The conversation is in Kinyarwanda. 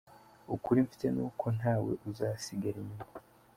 Ukuri mfite ni uko ntawe uzasigara inyuma